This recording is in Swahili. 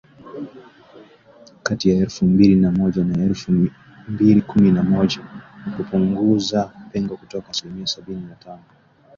kati ya elfu mbili na moja na elfu mbili kumi na moja na kupunguza pengo kutoka asilimia sabini na tano